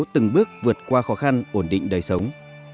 từng bước vượt qua khó khăn ổn định đời sống